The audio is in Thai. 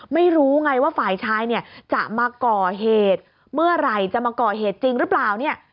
ไม่รู้ไงว่าฝ่ายชายเนี่ยจะมาก่อเหตุเมื่อไหร่จะมาก่อเหตุจริงหรือเปล่าเนี่ย